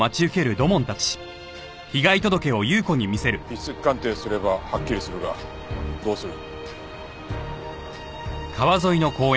筆跡鑑定すればはっきりするがどうする？